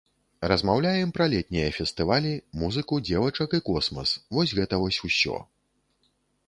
Размаўляем пра летнія фестывалі, музыку, дзевачак і космас, вось гэта вось усё.